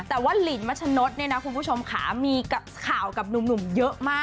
แต่ว่าหลีนมัชนนช์เนี้ยนะคุณผู้ชมขามีกับข่าวกับหนุ่มเยอะมาก